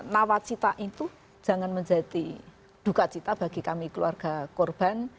nawacita itu jangan menjadi dukacita bagi kami keluarga korban